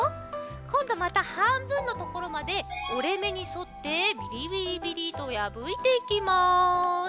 こんどまたはんぶんのところまでおれめにそってビリビリビリとやぶいていきます。